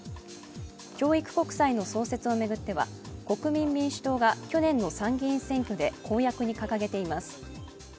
教育国債の創設を巡っては国民民主党が、去年の参議院選挙で公約に掲げています。